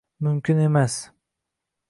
Мумкин эмас...